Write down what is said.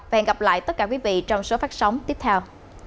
và hẹn gặp lại tất cả quý vị trong số phát sóng tiếp theo